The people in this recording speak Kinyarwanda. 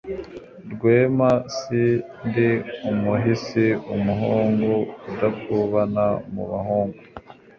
Rwema si ndi umuhisi umuhungu udakubana mu bahungu